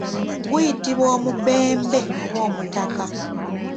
Guyitibwa omubembe oba omutaka.